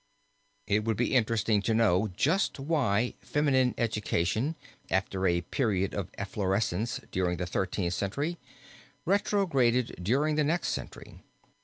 It would be interesting to know just why feminine education, after a period of efflorescence during the Thirteenth Century, retrograded during the next century.